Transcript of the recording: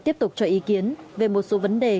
tiếp tục cho ý kiến về một số vấn đề